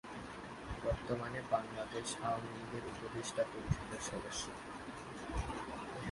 বর্তমানে বাংলাদেশ আওয়ামী লীগের উপদেষ্টা পরিষদের সদস্য।